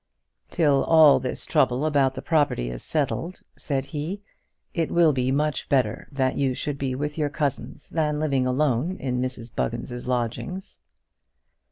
"Till all this trouble about the property is settled," said he, "it will be much better that you should be with your cousins than living alone in Mrs Buggins' lodgings."